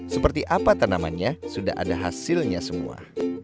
seperti apa tanamannya sudah ada hasilnya semua